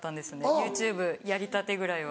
ＹｏｕＴｕｂｅやりたてぐらいは。